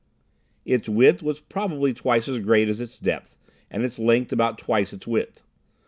Its width was probably twice as great as its depth, and its length about twice its width.